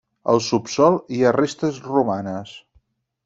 Al subsòl hi ha restes romanes.